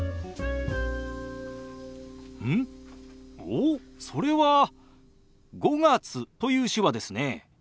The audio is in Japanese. おおそれは「５月」という手話ですね。